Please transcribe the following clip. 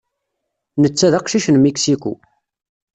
Netta d aqcic n Mexico.